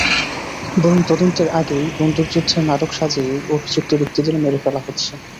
বরং তদন্তের আগেই বন্দুকযুদ্ধের নাটক সাজিয়ে অভিযুক্ত ব্যক্তিদের মেরে ফেলা হচ্ছে।